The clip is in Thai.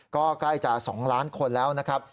ก็ใกล้จะ๒ล้านคนแล้วนะครับ